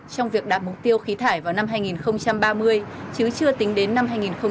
trong việc đạt mục tiêu khí thải vào năm hai nghìn ba mươi chứ chưa tính đến năm hai nghìn năm mươi